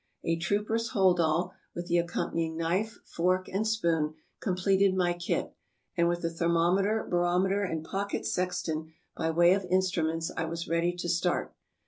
A trooper's hold all, with the accompanying knife, fork, and spoon, completed my kit, and with a thermometer, barometer, and pockel sextant by way of instruments, I was ready to start.